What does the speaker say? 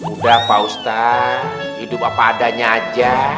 udah pak ustadz hidup apa adanya aja